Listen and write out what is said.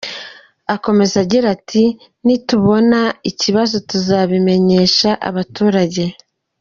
Akomeza agira ati “Nitubona ikibazo tuzabimenyesha abaturage.